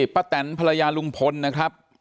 แตนภรรยาลุงพลนะครับ